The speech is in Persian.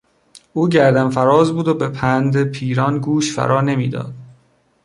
او گردنفراز بود و به پند پیران گوش فرا نمیداد.